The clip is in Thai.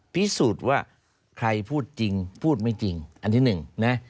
พิสูจน์ว่าใครพูดจริงพูดไม่จริงอันที่หนึ่งนะ